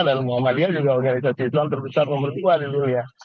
dan muhammadiyah juga organisasi islam terbesar nomor dua di dunia